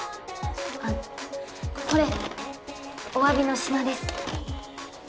あのこれおわびの品です。